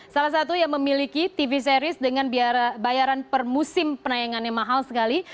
salah satu yang memiliki tv series dengan bayaran per musim penayangannya mahal sekali